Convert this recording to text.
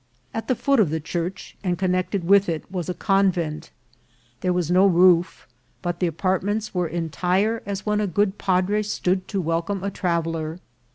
At the foot of the church, and connected with it, was a convent. There was no roof, but the apart ments were entire as when a good padre stood to wel come a traveller.